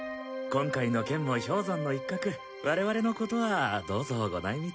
今回の件も氷山の一角我々のことはどうぞご内密に。